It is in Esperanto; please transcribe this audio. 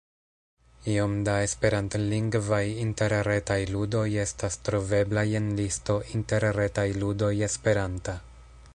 Iom da esperantlingvaj interretaj ludoj estas troveblaj en listo Interretaj ludoj esperanta.